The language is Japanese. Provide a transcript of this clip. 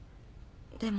でも。